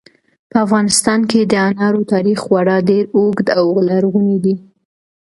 په افغانستان کې د انارو تاریخ خورا ډېر اوږد او لرغونی دی.